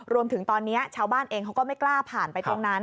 รวมถึงตอนนี้ชาวบ้านเองเขาก็ไม่กล้าผ่านไปตรงนั้น